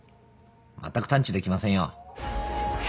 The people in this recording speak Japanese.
まったく探知できませんよ。